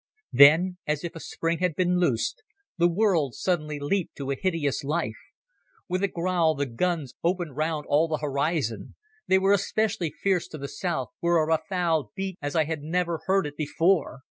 Then, as if a spring had been loosed, the world suddenly leaped to a hideous life. With a growl the guns opened round all the horizon. They were especially fierce to the south, where a rafale beat as I had never heard it before.